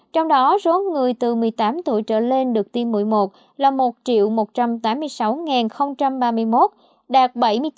trong đó số người từ một mươi tám tuổi trở lên được tiêm một mươi một là một một trăm tám mươi sáu ba mươi một đạt bảy mươi chín bốn